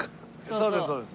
そうですそうです。